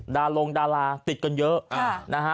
ดารงดาราติดกันเยอะนะฮะ